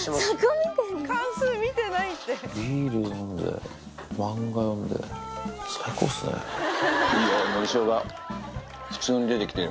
ビール飲んで、いいよ、のりしおが、普通に出てきてる。